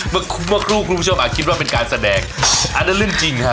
มาคลุปคุณผู้ชมอาจคิดว่าเป็นการแสดงอั้นได้เรื่องจริงฮะ